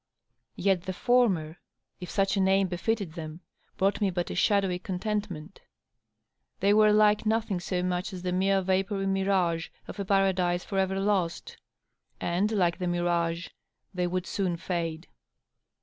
Yet the former^ if such a name befitted them, brought me but a shadowy contentment. They were like nothing so much as the mere vapory mirage of a paradise for ever lost ! And, like the mirage, they would soon ^e.